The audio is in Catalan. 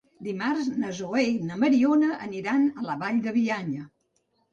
Dimarts na Zoè i na Mariona aniran a la Vall de Bianya.